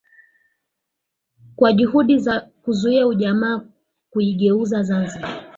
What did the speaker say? Kuwa juhudi za kuzuia ujamaa kuigeuza Zanzibar